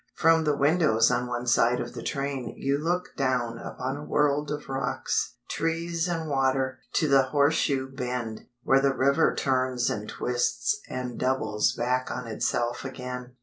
From the windows on one side of the train you look down upon a world of rocks, trees and water, to the Horse Shoe bend, where the river turns and twists and doubles back on itself again.